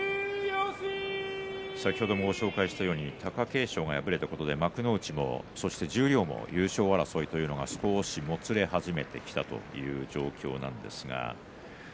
先ほどもご紹介しましたが貴景勝が敗れたことで幕内、十両も優勝争いというのが少しもつれ始めています。